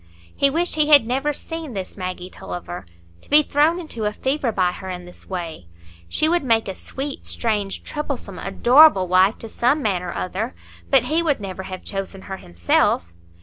He wished he had never seen this Maggie Tulliver, to be thrown into a fever by her in this way; she would make a sweet, strange, troublesome, adorable wife to some man or other, but he would never have chosen her himself.